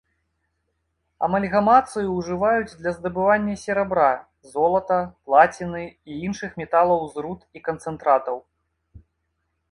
Амальгамацыю ўжываюць для здабывання серабра, золата, плаціны і іншых металаў з руд і канцэнтратаў.